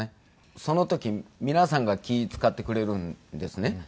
その時皆さんが気ぃ使ってくれるんですね。